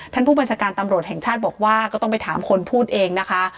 ท่านผู้บัญชาการตำรวจแห่งชาติบอกว่าก็ต้องไปถามคนพูดเองนะคะ